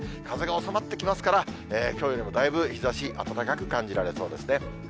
風が収まってきますから、きょうよりもだいぶ日ざし暖かく感じられそうですね。